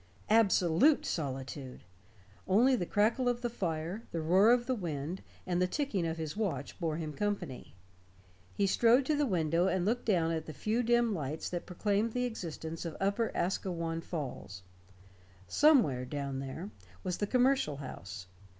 Absolute solitude! Only the crackle of the fire, the roar of the wind, and the ticking of his watch bore him company. He strode to the window and looked down at the few dim lights that proclaimed the existence of Upper Asquewan Falls. Somewhere, down there, was the Commercial House.